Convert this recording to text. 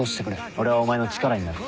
「俺はお前の力になる」